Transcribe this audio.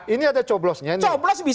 ini ada coblosnya nih